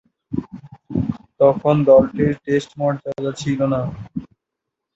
তখন দলটির টেস্ট মর্যাদা ছিল না।